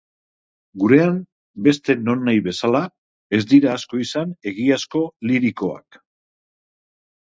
Gurean, beste nonahi bezala, ez dira asko izan egiazko lirikoak.